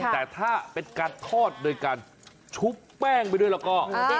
แต่ถ้าเป็นการทอดโดยการชุบแป้งไปด้วยแล้วก็